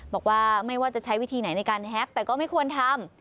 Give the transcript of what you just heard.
บอกว่าไม่ว่าจะใช้วิธีไหนในการแฮ็กแต่ก็ไม่ควรทำ